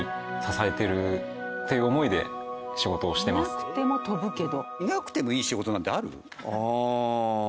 いなくても飛ぶけど。